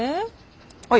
はい。